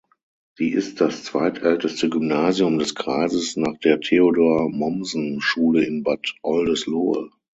Sie ist das zweitälteste Gymnasium des Kreises nach der Theodor-Mommsen-Schule in Bad Oldesloe.